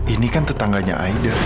ini kan tetangganya aida